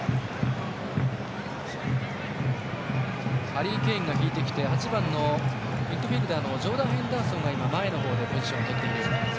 ハリー・ケインが引いてきて８番ミッドフィールダーのジョーダン・ヘンダーソンが前の方でポジションをとっています。